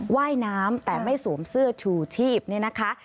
ว่ายน้ำแต่ไม่โสมเสื้อทูทีบนี่ค่ะ